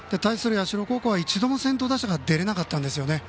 社高校は一度も先頭打者が出れなかったんですよね。